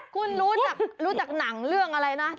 คุณรู้จักหนังเรื่องอะไรนะ